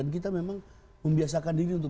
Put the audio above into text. kita memang membiasakan diri untuk